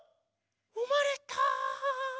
うまれた！